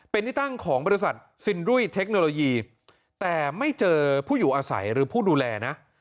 เป็นที่ตั้งของบริษัทซินรุยเทคโนโลยีแต่ไม่เจอผู้อยู่อาศัยหรือผู้ดูแลนะ